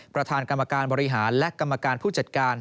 ประธานกรรมการบริหารและกรรมการผู้จัดการ